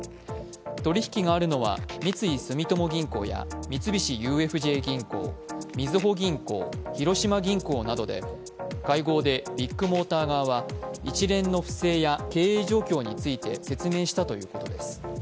取り引きがあるのは三井住友銀行や三菱ＵＦＪ銀行、みずほ銀行、広島銀行などで会合でビッグモーター側は一連の不正や経営状況について説明したということです。